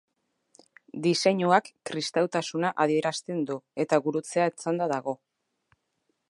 Diseinuak kristautasuna adierazten du eta gurutzea etzanda dago.